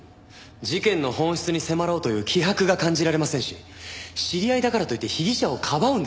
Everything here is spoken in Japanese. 事件の本質に迫ろうという気迫が感じられませんし知り合いだからといって被疑者をかばうんですよ？